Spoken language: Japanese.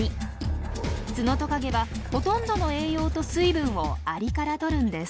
ツノトカゲはほとんどの栄養と水分をアリからとるんです。